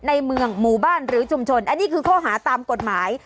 ในเมืองหมู่บ้านหรือชุมชนอันนี้คือข้อหาตามกฎหมาย